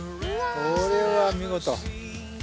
これは見事。